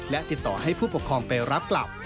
และติดต่อให้ผู้ปกครองไปรับกลับ